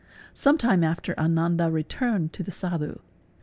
'Sometime after Ananda returned to the Sadhu.